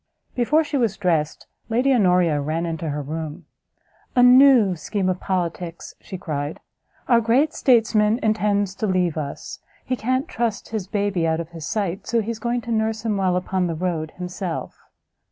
Before she was dressed, Lady Honoria ran into her room, "A new scheme of politics!" she cried; "our great statesman intends to leave us; he can't trust his baby out of his sight, so he is going to nurse him while upon the road himself.